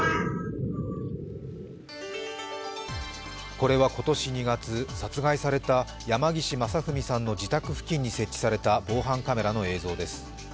これは今年２月、殺害された山岸正文さんの自宅付近に設置された防犯カメラの映像です。